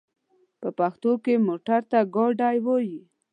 په پښتو کې موټر ته ګاډی وايي.